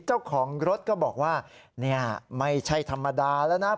เจ้าของรถก็บอกว่านี่ไม่ใช่ธรรมดาแล้วนะ